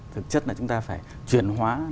thực chất là chúng ta phải chuyển hóa